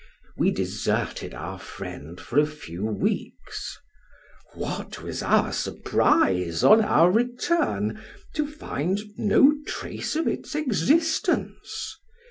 We deserted our friend for a few weeks. What was our surprise, on our return, to find no trace of its existence